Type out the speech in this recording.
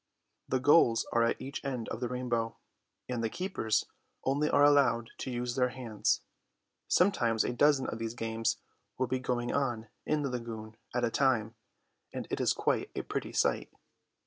The goals are at each end of the rainbow, and the keepers only are allowed to use their hands. Sometimes a dozen of these games will be going on in the lagoon at a time, and it is quite a pretty sight.